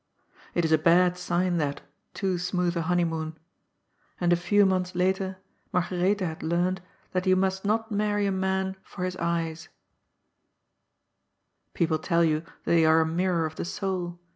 It is a bad sign, that, too smooth a honeymoon. And a few months later Margaretha had learned that you must not marry a man for his eyes. 16 GOD'S FOOL. People tell you they are a mirror of the soul.